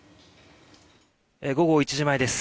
午後１時前です。